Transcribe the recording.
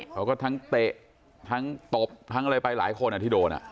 เขาก็ทั้งเตะทั้งตบทั้งอะไรไปหลายคนที่โดน